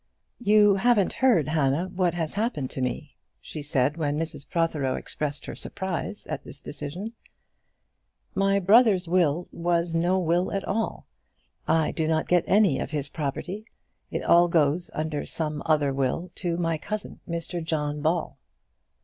"You haven't heard, Hannah, what has happened to me," she said, when Mrs Protheroe expressed her surprise at this decision. "My brother's will was no will at all. I do not get any of his property. It all goes under some other will to my cousin, Mr John Ball."